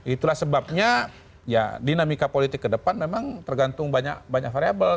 itulah sebabnya ya dinamika politik ke depan memang tergantung banyak variable